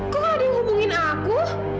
kok ada yang hubungin aku